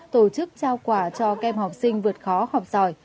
tổ chức trao quà cho kem học sinh vượt khó học giỏi